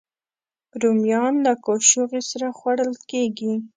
رومیان له کاچوغې سره خوړل کېږي